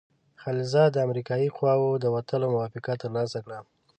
خلیلزاد د امریکایي قواوو د وتلو موافقه ترلاسه کړې.